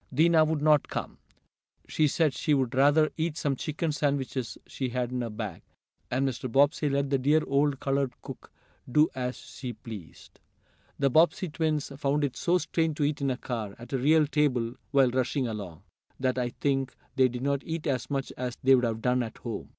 Dinah would not come. She said she would rather eat some chicken sandwiches she had in her bag, and Mr. Bobbsey let the dear old colored cook do as she pleased. The Bobbsey twins found it so strange to eat in a car, at a real table, while rushing along, that I think they did not eat as much as they would have done at home.